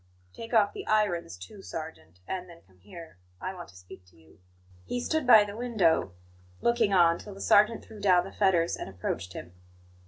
"Take off the irons, too, sergeant; and then come here. I want to speak to you." He stood by the window, looking on, till the sergeant threw down the fetters and approached him.